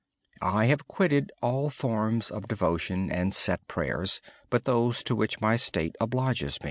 I have ceased all forms of devotion and set prayers except those to which my state requires.